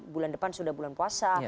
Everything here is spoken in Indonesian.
bulan depan sudah bulan puasa